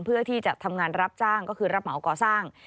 เพื่อที่จะทำงานรับจ้างก็คือรับเหมาก่อสร้าง